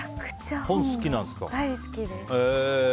大好きです。